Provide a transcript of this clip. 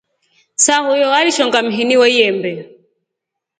Sahuyo alishonga mhini wa lyembee.